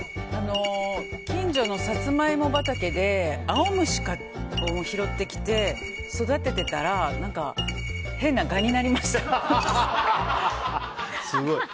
近所のサツマイモ畑で青虫を拾ってきて育てていたら何か、変な蛾になりました。